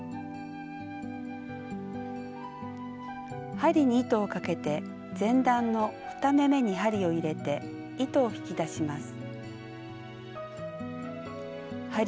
針に糸をかけて前段の２目めに針を入れて糸を引き出します。